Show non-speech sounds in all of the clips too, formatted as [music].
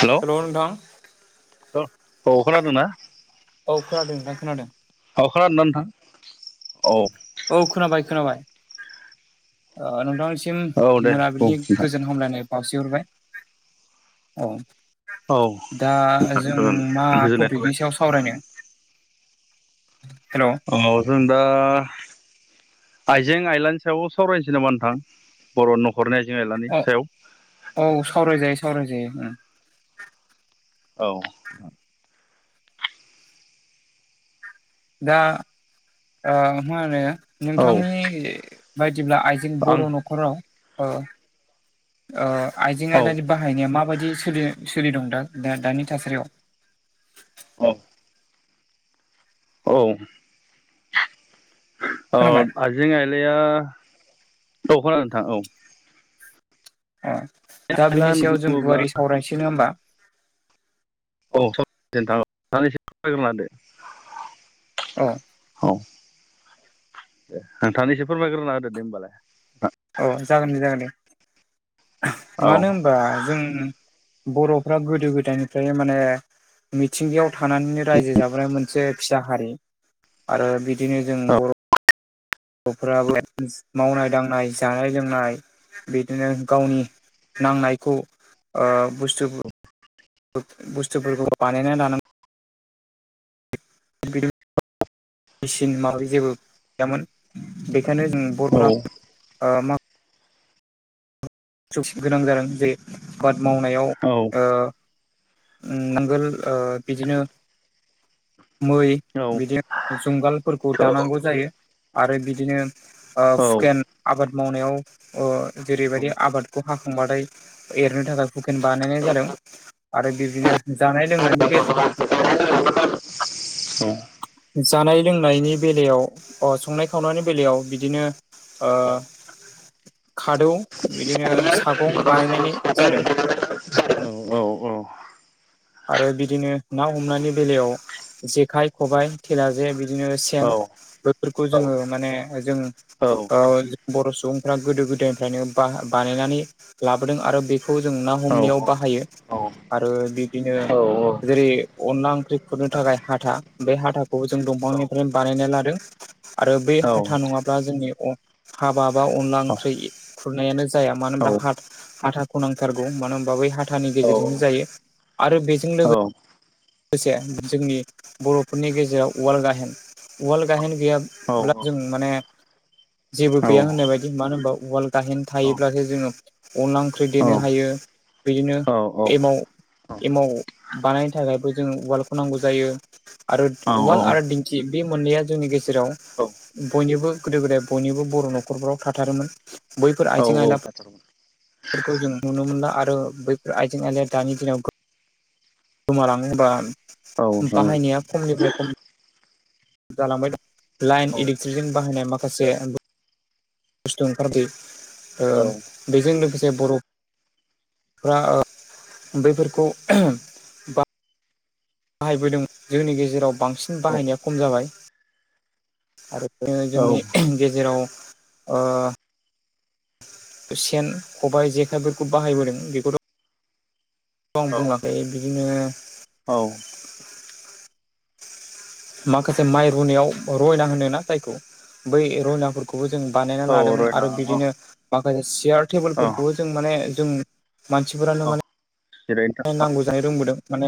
Hello hello नोंथां औे‌ औ खोनादों ना? औ खोनादों नोंथां खोनादों अ खोनादों ना नोंथां औ औ खोनाबाय खोनाबाय ओ नोंथां सिम औ दे बुं मोनाबिलिनि नोंथां गोजोन हामलायनाय बाउसिहरबाय औ औ दा नोंथां जों गोजोनदों मा गोजोननाय टपिकनि थाबाय सायाव [unintelligible] सावरायनो हेलौ अ जों दा आइजें आइलानि सायाव सावरायनोसै नामा नोंथां बर' न'खरनि आइजें आइलानि अ सायाव औ सावरायजायो सावरायजायो उम औ। दा आ मा होनो औ नोंथांनि बायदिब्ला आइजें आं बर' नख'राव ओ औ आइजें-आइलानि बाहायनाया माबायदि सोलि सोलिदों दा दा दानि थासारियाव औ औ। अ खोनाबाय आइजें आइलाया औ खोनादों नोंथां औ अ दा आइला बिनि होनना सायाव जों बुङोब्ला गुवारै सावरायनोसै नङा होमबा औ सावराय जायो नोंथां दा नों एसे फोरमायग्रोना होदों। औ औ दे नोंथाङानो एसे फोरमायग्रोना होदो दे होमबालाय औ जागोन दे जागोन दे औ मानो होनबा जों बर'फ्रा गोदो गोदायनिफ्रायनो माने मिथिंगायाव थानानैनो रायजो जाबोनाय मोनसे फिसा हारि। आरो बिदिनो जों औ बर' बर'फोराबो मावनाय दांनाय जानाय लोंनाय बिदिनो गावनि नांनायखौ आ बुस्थु बुस्थुफोरखौ बानायनानै लानां मेचिन माबा जेबो गैयामोन बेखायनो जों औ बर'फोरा ओ मा सौसि गोनां जादों जे आबाद मावनायाव ओ नांगोल ओ बिदिनो मै बिदि जुंगालफोरखौ दानांगौ जायो आरो बिदिनो औ हुकेन आबाद मावनायाव ओ जेरैबायदि आबादखौ हाखांबाथाय एरनो थाखाय हुकेन बानायनाय जादों। आरो बिदिनो जानाय लोंनायनि बे औ। जानाय लोंनायनि बेलायाव अ संनाय खावनायनि बेलायाव बिदिनो ओ औ खादौ बिदिनो सागं बानायनाय जादों औ अ औ आरो बिदिनो ना हमनायनि बेलायाव जेखाइ खबाइ थेला जे बिदिनो सेन बेफोरखौ जोङो माने जों ओ जों बर' सुबुंफ्रा गोदो गोदायनिफ्रायनो बा बानायनानै लाबोदों आरो बेखौ जों ना हमनायाव बाहायो। आरो बिदिनो जेरै अनला ओंख्रि खुरनो थाखाय हाथा बे हाथाखौबो जों दंफांनिफ्रायनो बानायना लादों आरो बै हाथा नङाब्ला जोंनि हाबा बा अनला ओंख्रि खुरनायानो जाया मानो होनब्ला हा हाथाखौ नांथारगौ मानो होनबा बै हाथानि गेजेरजोंनो जायो। आरो बेजों लोगो से जोंनि बर'फोरनि गेजेराव उवाल गायहेन उवाल गायहेन गैयाब्ला जों माने जेबो गैया होननाय बायदि मानो होनबा उवाल गायहेन थायोब्लासो जोङो अनला ओंख्रि देनो हायो बिदिनो एमाव एमाव बानायनो थाखायबो जोंङो उवालखौ नांगौ जायो। आरो औ उवाल आरो दिंखि बे मोननैया जोंनि गेजेराव बयनिबो गोदो गोदाय बयनिबो बर' न'खरफोराव थाथारोमोन बैफोर आइजें आइला [unintelligible] फोरखौ जों नुनो मोनला आरो बैफोर आइजें आइलिया दानि दिनाव गोमालांङो बा बाहायनाया खमनिफ्राय खम जालांबाय दं लाइन इलेक्ट्रिकजों बाहायनाय माखासे बुस्थु ओंखारदो ओ बेजों लोगोसे बर' फोरा बैफोरखौ बाहायबोदोंमोन जोंनि गेजेराव बांसिन बाहायनाया खम जाबाय। आरो जोङो जोंनि गेजेराव ओ सेन खबाइ जेखायफोरखौ बाहायबोदों बेखौथ' आं बुङाखै बिदिनो औ माखासे माइ रुनायाव रयना होनोना जायखौ बै रयनाफोर बो जों बानायनानै औ लादोंमोन रयना आरो बिदिनो माखासे सेयार औ तेबोलफोरखौबो जों माने जों मानसिफोरानो औ मा जिरायनो थाखाय नांगौ जानो रोंबोदों माने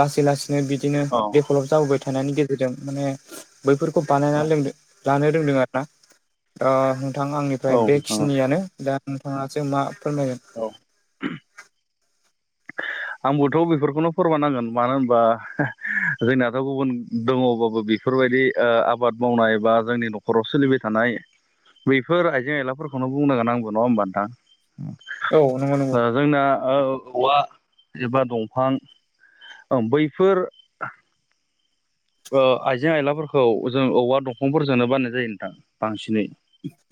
लासै लासैनो बिदिनो औ बे गलप जाबोबाय थानायनि गेजेरजों माने बैफोरखौ बानायना लोंदों लानो रोंदों आरो ओ नोंथां औ आंनिफ्राय बेखिनियानो दा नोंथाङासो मा फोरमायगोन। औ आंबोथ' बेफोरखौनो फोरमानांगोन मानो होनबा जोंनाथ' गुबुन दङबाबो बेफोरबायदि ओ आबाद मावनाय बा जोंनि न'खराव सोलिबाय थानाय बैफोर आइजें आइलाफोरखौनो बुंनो गोनांगौ नङा होमबा नोंथां? औ नंगौ नंगौ। ओ जोंना औ-औवा एबा दंफां बैफोर ओ आइजें आइलाफोरखौ जों औवा दंफांफोरजोंनो बानायनाय जायो नोंथां बांसिनै।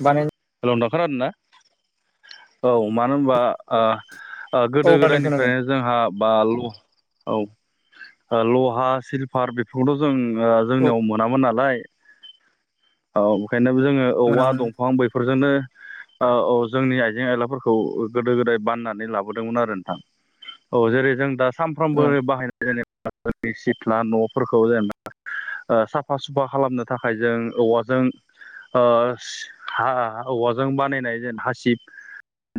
बानाय हेलौ नोंथां खोनादों ना? औ मानो होनबा ओ औ गोदो खोनादों खोनादों गोदायनिफ्रायनो जोंहा बा ल औ, ओ लहा सिलफार बेफोरखौथ' जों ओ औ जोंनियाव मोनामोन नालाय औ बेखायनो जोङो मोना औवा मोना दंफां बेफोरजोंनो ओ औ जोंनि आइजें आयलाफोरखौ गोदो गोदाय बाननानै लाबोदोंमोन आरो नोंथां। औ जेरै जों दा औ सानफ्रोमबो बाहायनाय जेनेबा सिथ्ला न' फोरखौ जेनेबा ओ साफा सुफा खालामनो थाखाय जों औवाजों ओ [unintelligible] औवाजों बानायनाय जेन हासिब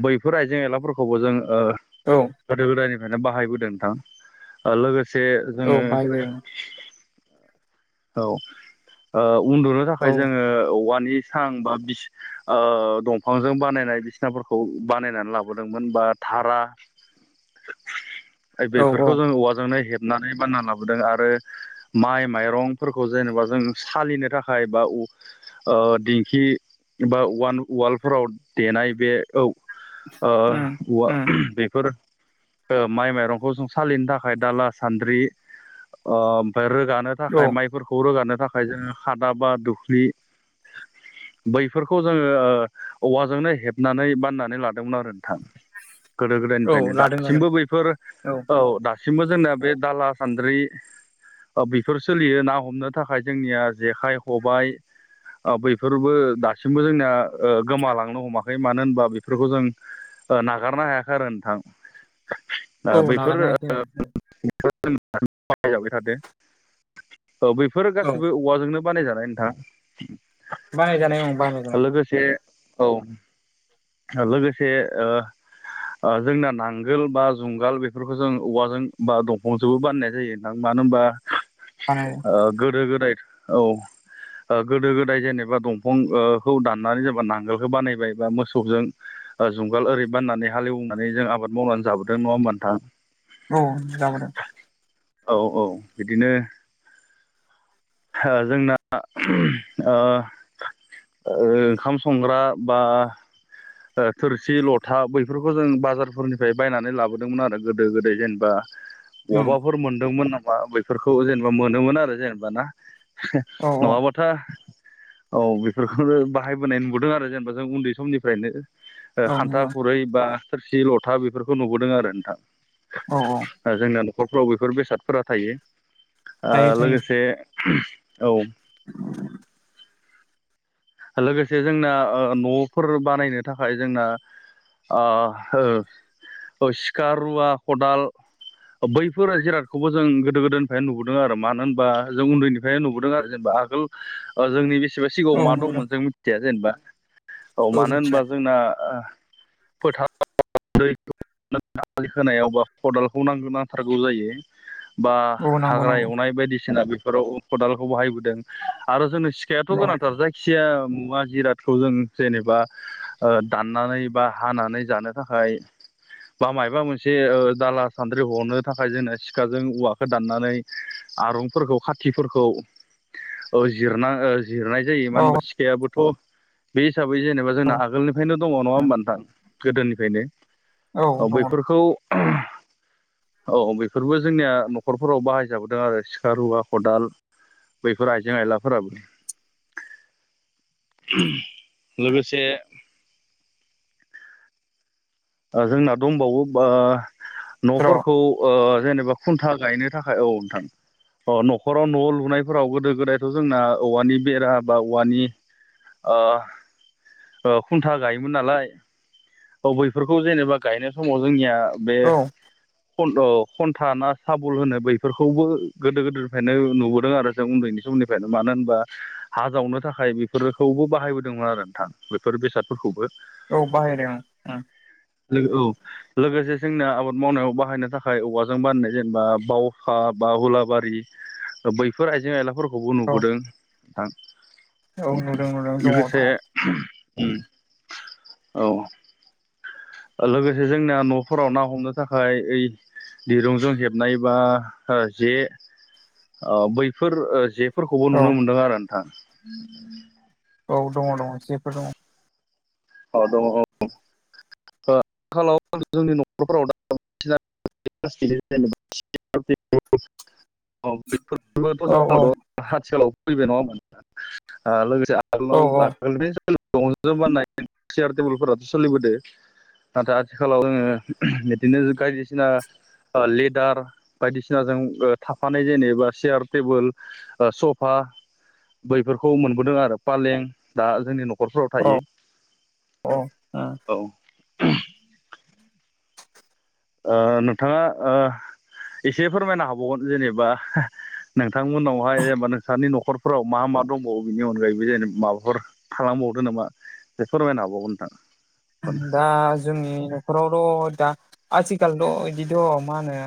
बैफोर आइजें आइलाफोरखौबो जों ओ औ गोदो गोदायनिफ्रायनो बाहायबोदों नोंथां लोगोसे औ जोङो बाहायबाय औ ओ उन्दुनो थाखाय औ जोङो औवानि सां बा बि ओ दंफांजों बानायनाय बिस्नाफोरखौ बानायनानै लाबोदोंमोन बा धारा [unintelligible] [inaudible] बेफोरखौ जों औवाजोंनो हेबनानै बानना लाबोदों आरो माइ माइरंफोरखौ जेनेबा जों सालिनो थाखाय बा ओ दिंखि बा वान-उवालफोराव देनाय बे औ ओ उम औवा उम बेफोर ओ माइ माइरंखौ जों सालिनो थाखाय दाला सान्द्रि ओ ओमफ्राय रोगानो औ थाखाय माइफोरखौ रोगानो थाखाय जोङो खादा बा दुख्लि बैफोरखौ जोङो औवाजोंनो हेबनानै बाननानै लादोंमोन आरो नोंथां। गोदो औ गोदायनिफ्रायनो लादों लादों दासिमबो बैफोर औ दा सिमबो जोंना बे दाला सान्द्रि बेफोर सोलियो ना हमनो थाखाय जोंनिया जेखाइ खबाइ ओ बैफोरबो दासिमबो जोंनिया ओ गोमालांनो हमाखै मानो होनबा बेफोरखौ जों नागारनो हायाखै आरो नोंथां। ओ औ बैफोर नागारनो हायाखै औ। बानायजाबाय थादो औ बेफोर औ गासिबो औवाजोंनो बानायजानाय नोंथाङा। बानायजानाय औ बानायनायजानाय। एसे औ। लोगोसे ओ जोंना नांगोल बा जुंगाल बेफोरखौ जों औवाजों बा दंफांजोंबो बाननाय जायो मानो होनबा माने ओ गोदो गोदाय औ। ओ गोदो गोदाय जेनेबा दंफं ओ खौ दाननानै जेनबा नांगोलखौ बानायबाय बा मोसौ सबजों जुंगाल ओरै बाननानै हालेवनानै जों आबाद मावनानै जाबोदों नङा होमबा नोंथां। औ जाबोदों। औ औ बिदिनो ओ जोंना ओ ओ ओंखाम संग्रा बा ओ थोरसि लथा बैफोरखौ जों बाजारफोरनिफ्राय बायनानै लाबोदोंमोन आरो गोदो गोदाय जेनबा उम बबावबाफोर मोनदोंमोन नामा बेफोरखौ जेनेबा मोनोमोन आरो जेनेबा ना। औ औ नङाबत खोथा औ बेफोरखौनो बाहायबोनाय नुबोदों आरो जेनेबा जों उन्दै समनिफ्रायनो। औ हान्था नंगौ खुरै बा थोरसि लथा बेफोरखौ नुबोदों आरो नोंथां। औ औ जोंना न'खरफ्राव बेफोर बेसादफोरा थायो थायो ओ थायो लोगोसे औ [unintelligible] लोगोसे जोंना ओ न'फोर बानायनो थाखाय जोंना आ हो सिखार रुवा खदाल बैफोर जिरादखौबो जों गोदो गोदायनिफ्रायनो नुबोदों आरो मानो होनबा जों उन्दैनिफ्रायनो नुबोदों आरो जेनेबा आगोल जोंनि बेसेबा सिगाङाव औ मा नुदों दंमोन जों मिथिया जेनेबा। औ मानो होनबा जोंना फोथाराव दैखौ आलि होनायावबा खदालखौ नांग नांथारगौ जायो। बा औ नांगौ हाग्रा नांगौ एवनाय बायदिसिना बेफोराव खदालखौ बाहायबोदों आरो जोंनि सि खाया फायथ' औ गोनांथार जाय खुसिया मुवा जिरादखौ जों जेनेबा ओ दाननानै बा हानानै जानो। थाखाय बा मायबा मोनसे दाला सान्द्रि हरनो थाखाय जोंना सिखाजों औवाखौ दाननानै आरंफोरखौ खाथिफोरखौ ओ जिरना ओ जिरनाय जायो औ मानो होनबा सिखायाबोथ' बे हिसाबै जेनेबा जोंना आगोलनिफ्रायनो दङ नङा होमबा नोंथां। गोदोनिफ्रायनो बैफोरखौ ज औ बेफोरबो जोंनिया न'खरफोराव बाहायजाबोदों आरो सिखा रुवा खदाल बैफोर आइजें आयलाफोराबो। लोगोसे जोंना दंबावो र' न'फोरखौ ओ जेनेबा खुन्था गायनो थाखाय औ नोंथां। अ न'खराव न'आव लुनायफोराव गोदो गोदायथ' जोंना औवानि बेरा बा औवानि ओ खुन्था गायोमोन नालाय अबय बेफोरखौ जेनेबा गायनाय समाव जोंनिया बे औ खन्था ना साबल होनो बैफोरखौबो गोदो गोदायनिफ्रायनो नुबोदों आरो जों उन्दैनि समनिफ्रायनो मानो होनबा हा जावनो थाखाय बेफोरखौबो बाहायबोदोंमोन आरो नोंथां बेफोर बेसादफोरखौबो औ बाहेरायाव ओम लोगो औ लोगोसे जोंनि आबाद मावनायाव बाहायनो थाखाय औवाजों बानायनाय जेनेबा बाावखा बा हुलाबारि बैफोर आइजें आयलाफोरखौ खौबो औ नुबोदों औ बिथांजों नुदों नुदों दङ लोगोसे औ लोगोसे जोंनिया न'फोराव ना हमनो थाखाय ओइ दिरुंजों हेबनाय बा जे बैफोर जे फोरखौबो औ नुनो मोन्दों आरो नोंथां औ दङ दङ जेफोर दङ। अ दङ औ ओ आथिखालाव जोंनि न'खरफोराव दा [unintelligible] औ औ आथिखालाव फैबाय नङामोन लोगोसे औ आगोलाव आगोलनि दंजाज बानायनाय। सियार टेबोलफोराथ' सोलिबोदो। नाथाय आथिखालाव जोङो बिदिनो बायदिसिना। लेदार बायदिसिनाजों थाफानाय जेनेबा चयार टेबोल सफा बैफोरखौ मोनबोदों आरो फालें दा जोंनि न'खर खरफोराव थायो अ अ औ नोंथाङा एसे फोरमायनो हाबावगोन जेनेबा नोंथांमोनावहाय जेनेबा नोंसनि नखरफोराव मा मा दंबावो बिनि अनगायैबो जेने माबाफोर थालांबावदो नामा बे फोरमायनो हाबावगोन नोंथां दा जोंनि न'खरावथ' दा आथिखालथ' बिदिथ' मा होनो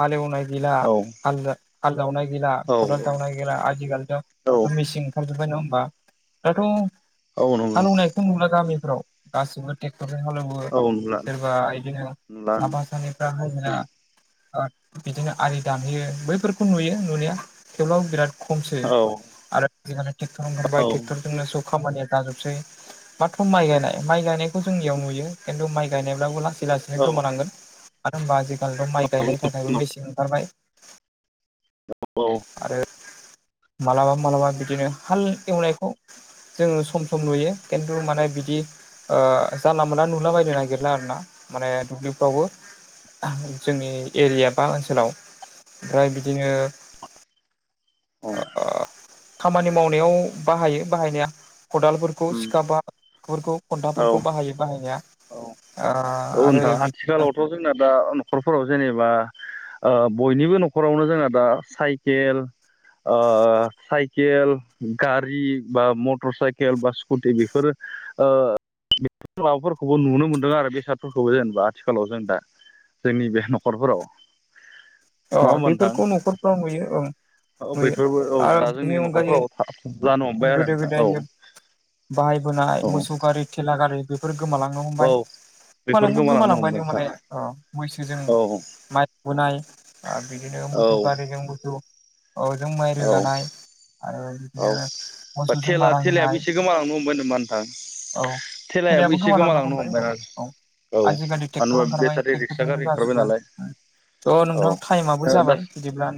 हाल एवनाय गैला औ खााल जावनाय गैला फटाल औ जावनाय गैला आजिखालिथ' औ सब मेसिं हारजोबबाय नङा होम्बा दाथ' औ नंगौ नोंथां हालेवनायथ' नुला गामिफ्राव गासैबो टेकट्ररजों हाल एवो। औ नुला सोरबा बिदिनो नुला साफा सानैफाहाय जना बिदिनो आरलि दानहैयो बैफोरखौ नुयो नुनाया थेवलबो बिराद खम औ आरोट औ बायक्ट जोंनो जौ खामानिया जाजोबसै माथ' माइ गायनाय माइ गायनायखौ जोंनियाव नुयो खिन्थु माइ गायनायब्लाबो लासै लासैनो औ गोमानांगोन मानो होनबा दाल' माइ गायनो थाखायबो मेचिन ओंखारबाय औ औ आरो मालाबा मालाबा बिदिनो हाल एवनायखौ जोङो सम सम नुयो खिन्थु माने बिदि जानला मोनला नुला बायनो नागिरला आर ना माने दुब्लिफ्रावबो जोंनि एरिया बा ओनसोलाव ओमफ्राय बिदिनो औ खामानि मावनायाव बाहायो बाहायनाया खदालफोरखौ सिखा बाफोरखौ माबाफोरखौ बाहायो बाहाया औ औ नोंथां आथिखालावथ' जोंना दा न'खरफोराव जेनेबा बयनिबो न'खरावनो जोंहा दा साइकेल साइकेल गारि बा मटर साइकेल बा स्कुटि बेफोरो माबाफोरखौबो नुनो मोनदों आरो बेसादफोरखौबो जेनेबा आथिखालाव जों दा जोंनि बे न'खरफोराव अ नङा होमबा नोंथां बेफोरखौ न'खरफ्राव नुयो औ ओं यो बैफोरबो औ आरो दा बे जोंनि अगायो न'खरफोराव जानो हमबाय आरो गोद नोंथां गोद औ आज बाहायबोनाय औ मोसौ गारि थेला गारि बेफोर गोमालांनो हमबाय औ बेफोर गोमालां गोमालांनो गोमालांबाय हमबाय न नोंथां माने मैसोजों औ माइ बोनाय आरो बिदिनो औ मोसौ गारिजों मोसौ अजों माइ औ रोगानाय आरो औ बिदिनो बा मोसौजों थेला मारा थेलायाबो होनाय एसे गोमालांनो हमबाय नामा नोंथां । औ थेलायाबो खेलायाबो एसे गोमालांनो हमबाय औ ना औ । औ आजिखालि मानो ट्रेक्टर होनबा ओंखारबाय बेटारि रिक्सा ट्रेक्टरजोंनो गारि ओंखारबाय जाजोबो नालाय थ' औ नोंथां टाइमाबबो दा जाबाय बिदिबब्लाानो